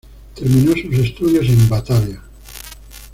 Terminó sus estudios en Batavia.